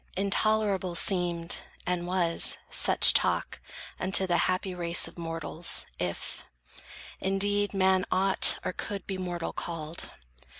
Intolerable seemed, and was, such talk Unto the happy race of mortals, if, Indeed, man ought or could be mortal called.